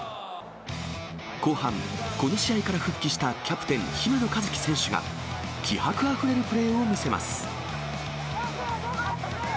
後半、この試合から復帰したキャプテン、姫野和樹選手が、気迫あふれるプレーを見せます。